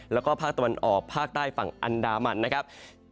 แล้วก็ภาคตะวันออกภาคใต้ฝั่งอันดามันนะครับ